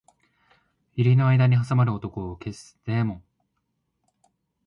百合の間に挟まる男を消すデーモン